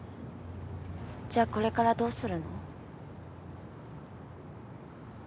じゃあこれからどうするの？